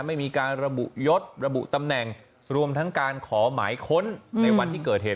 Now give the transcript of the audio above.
ไม่มีการระบุยศระบุตำแหน่งรวมทั้งการขอหมายค้นในวันที่เกิดเหตุ